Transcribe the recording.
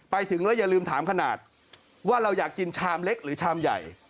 ไปถึงแล้วอย่าลืมถามขนาดว่าเราอยากกินชามเล็กหรือชามใหญ่